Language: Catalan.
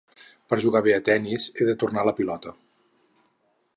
Per jugar bé a tenis, he de tornar la pilota.